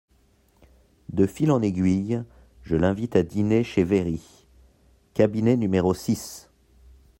De fil en aiguille, je l’invite à dîner chez Véry !… cabinet numéro six…